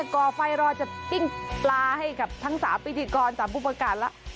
ก่อไฟรอจะปิ้งปลาให้กับทั้ง๓พิธีกร๓ผู้ประกาศแล้ว